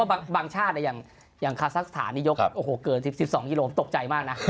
เพราะบางชาติอย่างคาซักสถานยกเกิน๑๒ยิโลกรัมตกใจมากนะ